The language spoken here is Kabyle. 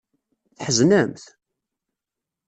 Tḥeznemt?